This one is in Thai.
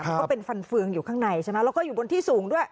ก็เป็นฟันเฟืองอยู่ข้างในใช่ไหมแล้วก็อยู่บนที่สูงด้วย